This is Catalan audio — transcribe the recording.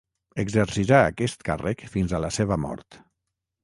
Exercirà aquest càrrec fins a la seva mort.